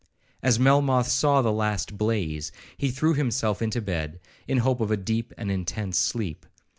As Melmoth saw the last blaze, he threw himself into bed, in hope of a deep and intense sleep.